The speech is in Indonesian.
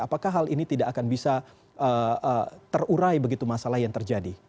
apakah hal ini tidak akan bisa terurai begitu masalah yang terjadi